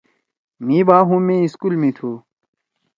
مھی بھا ہُم مے سکول می تُھو۔